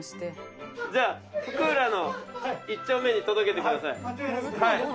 じゃあ福浦の１丁目に届けてください。